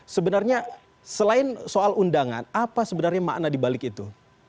sebenarnya selain soal undangan apa sebenarnya makna dibalik itu